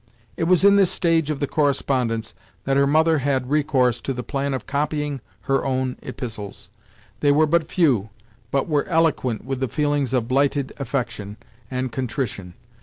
It was in this stage of the correspondence that her mother had recourse to the plan of copying her own epistles. They were but few, but were eloquent with the feelings of blighted affection, and contrition.